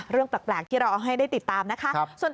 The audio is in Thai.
เรื่องแปลกที่เราเอาให้ได้ติดตามนะคะ